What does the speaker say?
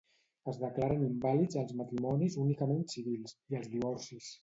Es declaren invàlids els matrimonis únicament civils, i els divorcis.